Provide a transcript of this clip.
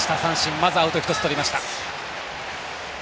まずアウト１つとりました。